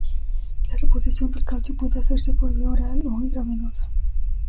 La reposición del calcio puede hacerse por vía oral o intravenosa.